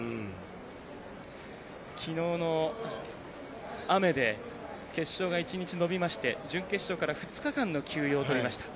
きのうの雨で決勝が１日延びまして準決勝から２日間の休養を取りました。